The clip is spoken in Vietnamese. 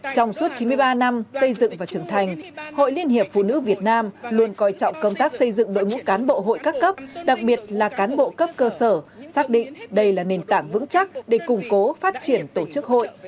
trong suốt chín mươi ba năm xây dựng và trưởng thành hội liên hiệp phụ nữ việt nam luôn coi trọng công tác xây dựng đội ngũ cán bộ hội các cấp đặc biệt là cán bộ cấp cơ sở xác định đây là nền tảng vững chắc để củng cố phát triển tổ chức hội